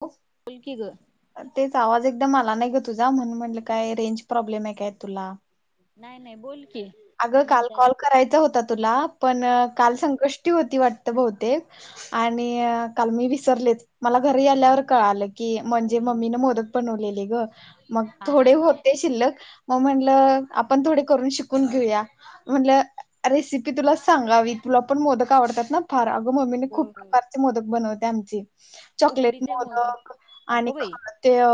[unintelligible] बोल की ग तेच आवाज एक ग मला नाही ग तुझा म्हणून म्हनल काय रेंज प्रॉब्लेम हाय काय तुला? नाय, नाय बोल की अगं काय काल म्हणताय कॉल करायचा होता तुला पण हा काल संकष्टी हो ती वाटत बहुतेक आणि काल मी विसरलेच मला घरी आल्यावर कळालं की म्हणजे मम्मीनं मोदक बनवलेले ग. मग हा हा थोडे हा होते शिल्लक मग म्हणलं आपण थोडे करून शिक कून घेऊया म्हणलं रेसिपी तुला सांगावी तुला पण मोदक आवडतात ना फार. मम्मीने खूप होय होय प्रकारचे मोदक बनव ते आमची चॉकलेट मोदक आणि अगो ख बाई ते अ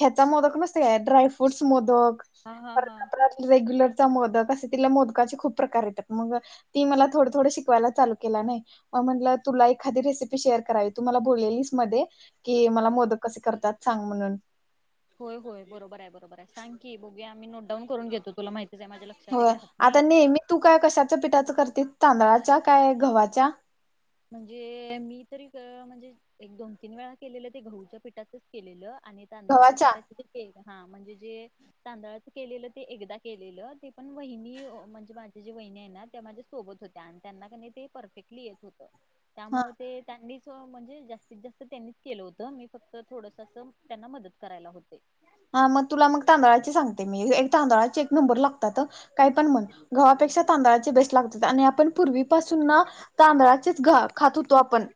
ह्याचा मोदक नसतोय का ड्राय फ्रुट्स मोदक हा हा हा परत रेग्युलर चा मोदक अस तिला मोदकाची खूप प्रकार येत्यात मग ती मला थोड-थोड शिकवायला चालू केला नाही. म म्हटल तुला एखादी रेसिपी शेअर करावी तु मला बोललेलीस मध्ये कि मला मोदक कसे करतात? सांग म्हणून. बघुया आमी नोट डाउन करून घेतो तुला माहिती होय आता नेहमी तू काय कशाच पिठाचं करते? तांदळाच्या काय घवाच्या? म्हणजे मी तरी अ म्हणजे एक, दोन, तीन वेळा केलेलं ते गहूच्या पिठाचच केलेलं. आणि तांदळाच्या गव्हाच्या पिठाचे ते केक. हा म्हणजे जे तांदळाच केलेलं ते एकदा केलेलं ते पण वहिनी म्हणजे माझी जे वहिनी आहे ना त्या माझ्या सोबत होत्या आणि त्यांना कनि ते परफेक्टली येत हो हा त्यामुळे ते त्यांनीचं सो म्हणजे जास्तीत जास्त तेंनीच केलं होतं मी फक्त थोडस असं त्यांना मदत करायला हो हा मग तुला मग तांदळाची सांगते मी एक तांदळाचे एक नंबर लागतात ह काय पण म्हण घवापेक्षा तांदळाची बेस्ट लाग आणि आपण पूर्वी पाासून तांदळाचेच घ खात होतो आपण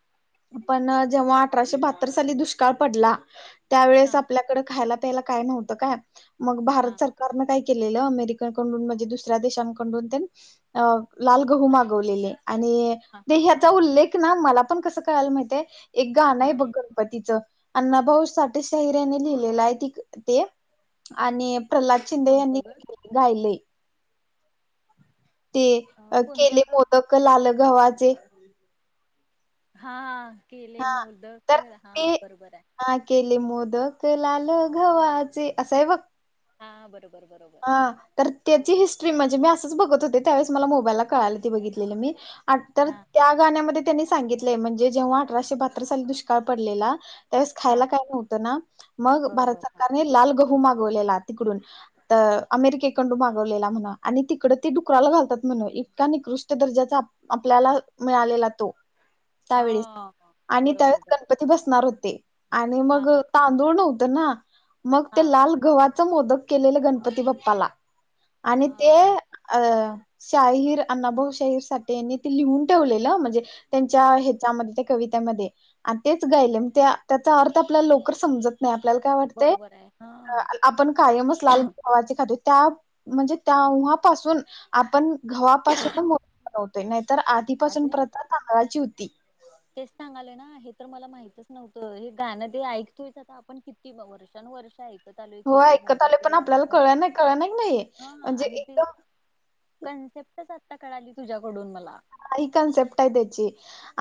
पण जेव्हा अठराशे बहात्तर साली दुश काळपडला त्यावेेळेस हा आपल्याकडें खायला त्याला काय नव्हतं काय मग हा भारत सरकारने काही केलेल अमेरिकेकडून म्हणजे दुसऱ्या देशांकडून लाल गहू मागवलेले आणि हा ते हा हा ह्यचा उल्लेख ना मला पण कसं कळायला माहिताय एक गाण आहे हा बघ गणपतीचं अण् भाऊ साठे साहिऱ्याने लिहिलेला आहे त ते आणि. प्रल्हाद शिंदे यांनी कोणतं ग? गायले. ते अ कोणतं केले का मोदक लाल घव्हाचे. हा हा. केले हा मोदक तर हा ते बरोबर हाय. हा केले मोदक लाल घव्हाचे असं हाय बघ. हा बरोबर. बरोबर हा तर त्याची हि [unintelligible] भाषा बघत होते, त्यावेळेसं मला मोबाईला कळालं ते बघितलेलं मी. आ तर हा त्या गाण्यामध्ये. त्यांनी सांगितलंय म्हणजे जेव्हा अठराशे बहात्तर साली दुष्काळ पडलेला त्यावेळेस खायला हा काय नव्हतं ना, मग बरोबर भारत हा सरकारने लाल गहू गहू मागवलेला तिकडून तर अमेरिके कंडू मागवलेला म्हण आणि तिकडं ती डुकराला घालतात म्हण इतका निकृष्ट दर्जाचा आपल्याला मिळालेला तो. त्यावेळीस हा आणि बरोबर त्यावेळेस बरोबर गणपती बसणार होते आणि हा मग हा तांदूळ नव्ह तर ना. मग हा ते लाल घवात. चं मोदक. केलेले गणपती बाप्पाला. आणि ते हा अं. शाहीर अण्णाभाऊ शाहीर साठे यांनी ते लिहून ठेवलेलं म्हणजे. त्यांच्या हेच्यामध्ये ते कविता मध्ये आण तेच गायलं त्या त्याचा अर्थ आपल्याला लवकर समजत नाही. आपल्याला काय वाटत बरोबर आहे हा आपण कायमच [inaudible] त्या म्हणजे तेव्हा पासून आपण घवापासून [unintelligible] [inaudible] तर आधीपासून अगं प्रथा तांदळाची होती. ती. तेच सांगालो ना हे तर मला माहितच नव्हतं, हे गाणं जे ऐकतोय आता आपण किती बघ वर्षानुवर्ष ऐ हो ऐकत आलो पण आपल्याला कळ नाही कळ नाही हा म्हणजे आणि ती एकदम कन्सेप्टच आता कळाली तुझ्याकडून मला. हई कन्सेप्ट आहे त्याची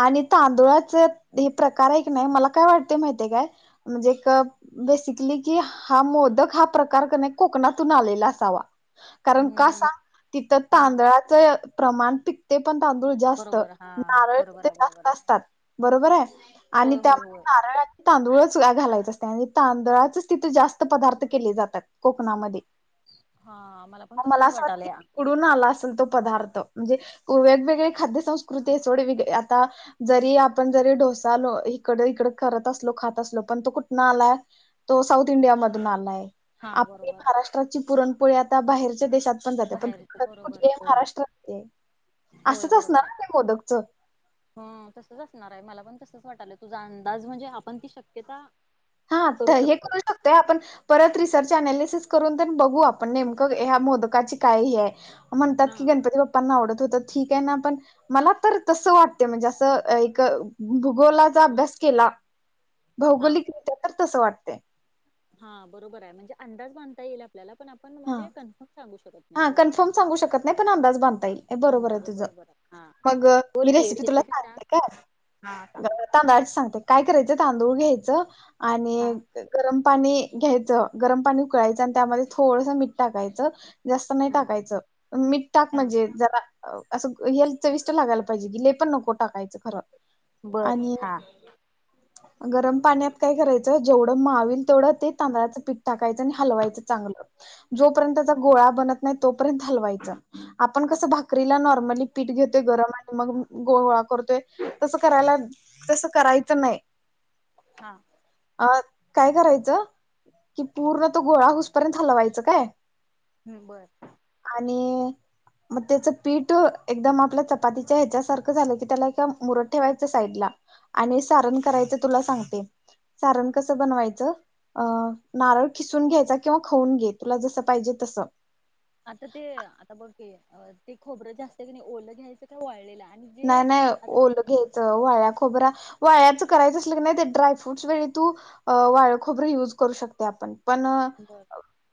आणि तांदुळाच हे प्रकार एक नाही मला काय वाटते माहितीय काय म्हणजे एक बेसिकली कि हा मोदक हा प्रकार नाही कोकणातून आलेला असावा कारण का हम्म सांग तिथं हा तांदळाच प्रमांटिक पण तांदूळस्त, बरोबर हा नारळ बरोबर आहे बरोबर जास्त आहे असतात बरोबर आणि होय त्या होय होय नारळ तांदूळच घालायचं असते आणि तांदळाच तिथे जास्त पदार्थ केले जातात कोकणामध्ये हा पण मला तसंच असं वाटत वाटालय तिकडी आला असेल तो पदार्थ म्हणजे वेगवेगळे खाद्य संस्कृती [unintelligible] आता जरी आपण जरी डोसा इकड इकड करत असलो खात असलो पण तो कुठनं आलाय तो साऊथ इंडिया मधून आलाय हा आपली बरोबर महाराष्ट्राची पुरण पुढे आता बाहेरच्या देशात पण जाते पण बाहेरच कुठ बरोबर होय महाराष्ट्रात होय असंच असणार बरोबर आहे, ना ते मोदकचं ह तसच असणार आहे, मला पण अस वाटलं तुझा अंदाज म्हणजे आपण ती शक्यता हा हे करू शकतोय आपण परत रिसर्च ॲनालिसिस करून तरी बघू आपण नेमक ह्या मोदकाची काय हे आहे म्हणतात हा की गणपती बाप्पांना आवडत होत ठीक आहे ना पण मला तर तसं वाटते म्हणजे असं एक भूगोलाचा अभ्यास केला हा भौगोलिकत्या तसं वाटते हा बरोबर आहे म्हणजे अंदाज बधता येईल आपल्याला पण आपण हा म्हणजे कन्फर्म सांगू शकत नाही हा ग कन्फर्म सांगू शकत नाही पण अंदाज बांधता येईल, बरोबर आहे अंदाज तुझं, बरोबर आहे हा मग मी बोल की रेसिपी तुला सांग सांगते काय, हा सांग तांदळाची सांगते, काय कर तांदूळ घ्यायचं. हा आणि गरम. पाणी घ्यायचं, गरम पाणी उकळायचं आणि त्यामध्ये थोडसं मीठ टाकायचं. जास्त नाही हा टाकायचं, मीठ टाक हा म्हणजे जरा. असं हेल्थ चविष्ट लागायला पाहिजे की लय पण नको टाकायचं खरं. बर आणि हा. गरम पाण्यात काय करायचं जेवढं मावेल तेवढं ते तांदळाचं पीठ टाकायचं आणि हलवायचं चांगलं जोपर्यंतचा गोळा बनत नाही तो पर्यंत हलवायचं, आपण कस भाकरीला नॉर्मल पिठ घेतो गरम आणि मग गोळा करतोय तसे करायला, तस करायच नाही. हा. अ काय करायचं कि पूर्ण तो गोळा हुस पर्यंत हलवायचं काय? हमम बर. आणि मग त्याच पीठ एकदम आपल्या चपातीच्या ह्याच्यासारखं झालं की त्याला मुरत ठेवायचं साईडला आणि सारण करायचं तुला सांगते सारण कसं बनवायचं नारळ खिसून घ्यायचा किंवा खऊन घे तुला जस पाहिजे तस. आता ते आता बघू. ते अ ते खोबरं जास्त ओलं घ्यायचं का वाळलेला. नाही नाही ओल घ्यायच वाळा खोबरा वाळयाचं करायचं असलं कनी ते ड्रायफ्रूट्स वेळी तू अं वाळ खोबर युज करू शकतय आपण. पण अं बर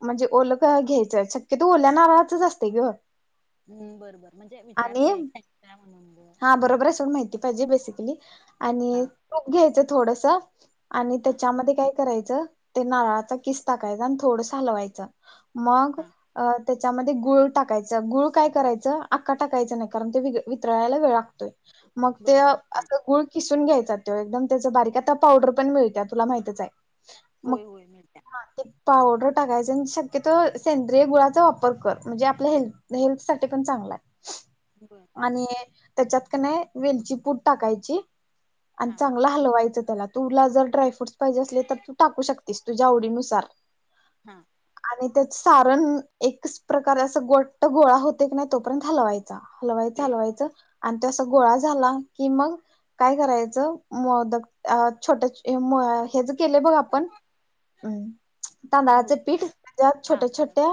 म्हणजे ओलं अ घ्यायचंय शक्यतो ओल्या नाराळाच असते की ओ. [unintelligible] हा बरोबर असून माहितीयं. पाहिजे बेसिकली. आणि हा तूप घ्यायच. थोडंसं. आणि हा त्याच्यामध्ये काय कराय ते नारळाचा किस टाकायचा आणि थोडं हलवायचं. मग हा अं. त्याच्यामध्ये गुळ टाकायचं गुळ काय करायचं, आका टाकायचं नाही कारण ते विघ तळायला वेळ लागतो. मग ते बरोबर हा असं गुळ किसून घ्याय चालतोय एकदम त्याचं बारीक आता पावडर पण मिळाला, तुला माहीतच हाय. होय होय मिळाल्या. पावडर टाकायचा आणि शक्यतो सेंद्रिय गुळाचा वापर कर म्हणजे आपल्या हेल्थ हेल्थ साठी पण चांगलाय.. बरं. [inaudible] आणि त्याच्यात का नाय वेलची पूड टाकायची. आणि हा चांगल हलवायचंत. त्याला तुला जर ड्रायफ्रूटस पाहिजे असले, तर तू टाकू शकतेस तुझ्या आवडीनुसार हां. आणि त्याचं सारण एकच प्रकारे अस गोट्ट गोळा होतंय क नाही तोपर्यंत हलवायचा हलवाय चालवायचं आणि ते असं गोळा झाला की मग काय करायचं मोदक अ छोटं एम हेचं केलंय बघ आपण अम्म तांदळाचं गहूच पीठ त्यात हा तवा छोट्या-छोट्या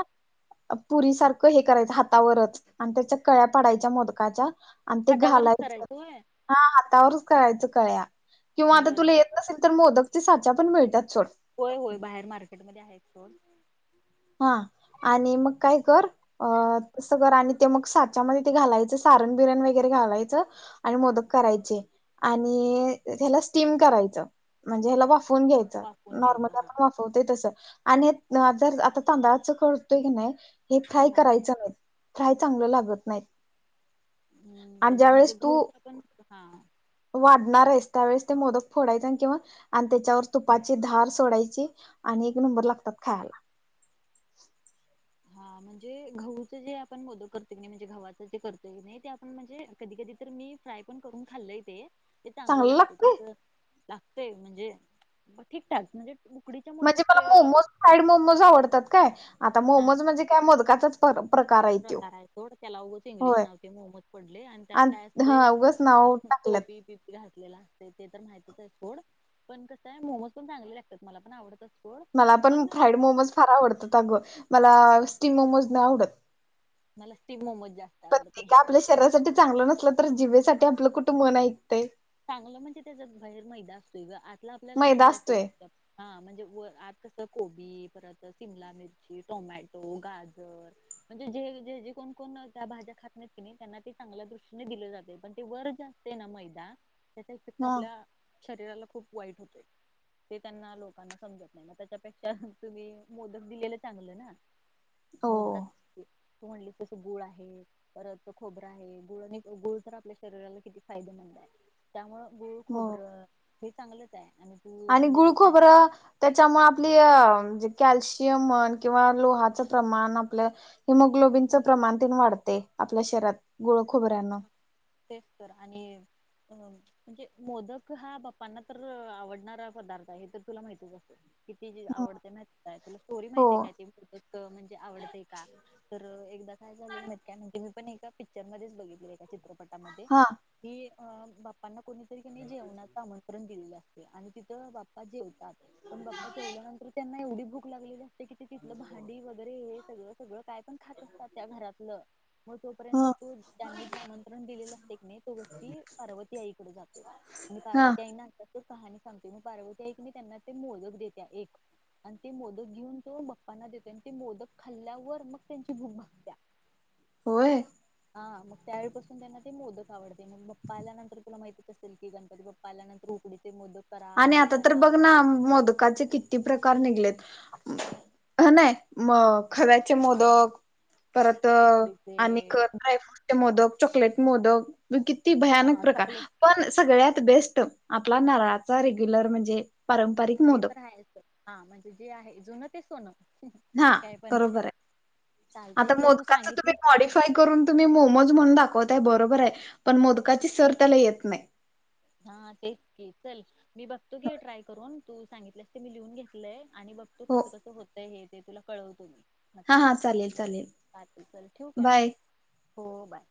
पुरीसारखं हे करायचं हातावरच आणि त्याच्या कळ्या पाडायच्या मोद काच्या. आणि ते हातावरच घालायचं, करायचं होय हां हातावरच करायचं कळ्या. किंवा आता बर तुला बर येत नसेल तर मोदक साचा पण मिळत्यात सोड. होय होय बाहेर मार्केटमध्ये आहेत सोड. हां आणि मग काय कर अ तसं कर आणि ते मग साच्यामध्ये ते घालायचं, सारण-बिरण वगैरे घालायचं आणि मोदक करायचे आणि त्याला स्टीम करायचं. म्हणजे ह्याला हा वाफवून घ्यायचं वाफवून घ्यायचं नॉर्मला हा आपण वाफवतोय तसं. आणि त न जर आता- तांदळाचं करतोय की नाही हे फ्राय हा करायचं नाही. फ्राय चांगलं लागत नाही. हम्म. आणि बर बर ज्या म्हणजे वेळेस तू गहूचं पण हां वाढणार आहेस, त्यावेेळेस ते मोदक फोडायचं आणि किंवा आणि त्याच्यावर तुपाची धार सोडायची आणि एक नंबर लागतात खायला. हां म्हणजे गहूचे जे आपण मोदक करतोय की नाही, म्हणजे गव्हाचं जे करतोय की नाही ते आपण म्हणजे कधी कधीतर मी फ्राय पण करून खाल्लंय तेे ते चांगलं लागतंय, तसं लागतंय म्हणजे ब ठीक-ठाक म्हणजे उकडीच्या मोदक म्हणजे मला पे- मोमोज फ्राईड मोमोज आवडतात काय आता हा मोमोज म्हणजे काय मोदकाचच [unintelligible] प्रकार आहे सोड त्याला उघंच इंग्लिश होय नाव ते मोमोज पडलंय आणि त्यात काय असते? हा उगच अ नाव टाकल्यात कोबी बिबी घातलेलं असते ते तर माहि तीच आहे सोड पण कसं आहे मोमोज पण चांगले लागतात मला पण आवडतात मला पण फ्राईड मोमोज फार आवडतात अगं. मला स्टीम मोमोज नाही आवडत. मला स्टिम मोमोज जास्त पण ते आवडते काय आपल्या शरीरासाठी चांगलं नसलं तर जीवेसाठी आपलं कुठं मन आहेत. चांगलं म्हणजे त्याच्यात बाहेर मैदा असतोय गं, आतलं आपल्याला मैदा चांगला असतोय आहे [unintelligible] हां म्हणजे व आत कसं को बी परत शिमला मिरची, टोमॅटो, गाजर म्हणजे जे जे जे कोण कोण त्या भाज्या खात नाहीत त्यांना ते चांगल्या दृष्टीने दिलं जातंय, पण ते वर जे असतंय ना मैदा चा इफेक्ट हा आपल्या शरीराला खूप वाईट होतोय ते त्यांना लोकांना समजत नाही म त्याच्यापेक्षा तुम्ही मोदक दिलेलं चांगलं ना? हो मोदकात त म्हणले तस गुळ आहे, परत खोबरं आहे, गुळ आणि गुळ तर आपल्या शरीराला किती फायदेमंद आहे. त्यामुळं गूळ, हो खोबरं हे चांगलंच आहे. आणि तू आणि म्हणजे जे सां गुळखोबरं त्याच्यामूळ आपली अ म्हणजे कॅल्शियम म्हण किंवा लोहाचं प्रमाण, आपलं हिमोग्लोबिनचं प्रमाण त वाढते आपल्या शरीरात गूळ खोबऱ्यानं. तेच तर आणि अ म्हणजे एक मोदक हा बाप्पांना तर आवडणारा पदार्थ आहे हे तर तुला माहतीच असणार किती आवडते माहिती काय तुला स्टोरी हो माहितीे काय तीतक म्हणजे आवडते का तर एकदा काय झालेलं काय म्हणजे पण एका पिक्चरमध्येच बघित [unintelligible] चित्रपटामध्ये हा की अं बाप्पांना कोणी जेवणाच आमण आपण दिलं असते आणि तिथं बाप्पा जेवतात. पण बाप्पा जेवल्यानंतर त्यांना एवढी भूक लागली ग. ते किती तिथलं भांडी वगैरे हे सगळं सगळं काय पण खातात ना त्या घरातलं मग तोपर्यंत ह तोच त्यांनी आमंत्रण दिलेलं असते की नाही, तो गोष्टी पार्वती आईकडे जातो आणि हा पार्वती आई ना कहाणी सांगते मी, पार्वती आई की नाही त्यांना ते मोदक देत्या एक आणि ते मोदक घेऊन तो बाप्पांना देते आणि ते मोदक खाल्ल्यावर मग त्यांची भूक भागत्या होय. हां मग त्यावेळीपासून त्यांना ते मोदक आवडते, मग बाप्पा आल्यानंतर, तुला माहीतीच असेल की, गणपती बाप्पा आल्यानंतर उकडीचे मोदक करा आणि हे आता तर करा बघ परत ना मोदकाचे किती प्रकार निघलेत. हं नाही मग खव्याचे मोदक परत उकडीचे आणि क ड्रायफ्रूटचे मोदक, चॉकलेट मोदक किती भयानक हा प्रकार चॉकलेट पण सगळ्यात बेस्ट आपला नळात रेग्युलर म्हणजे पारंपरिक ते मोदक तर आहेच, हां म्हणजे जे आहे, जुन ते सोन हां बरोबर आहे. चालतंय आता घे तू मोदकाचं सांगितली तुम्ही मॉडीफाय करून, तुम्ही मोमज म्हणून दाखवतयं बरोबर हाय, पण मोदकाची सर त्याला येत नाय, हां तेच की, चल मी बघतो, घे ट्राय करून. तू सांगितलस, ते मी लिहून घेतलंय. आणि बघतो, कसं कसं होतय हे ते तुला कळवतो मी हां नक्की हां चालेल, चालेल, चालतंय चल ठेवू काय मग बाय. हो, बाय.